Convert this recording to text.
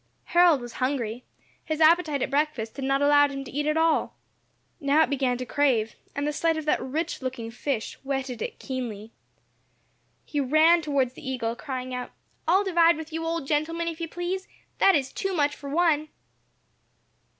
Harold was hungry; his appetite at breakfast had not allowed him to eat at all. Now it began to crave, and the sight of that rich looking fish whetted it, keenly. He ran towards the eagle, crying out, "I'll divide with you, old gentleman, if you please; that is too much for one."